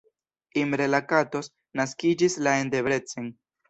Imre Lakatos naskiĝis la en Debrecen.